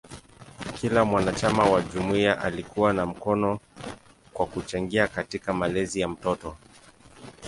Kila mwanachama wa jumuiya alikuwa na mkono kwa kuchangia katika malezi ya mtoto.